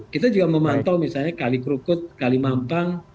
kita juga memantau misalnya kali krukut kali mampang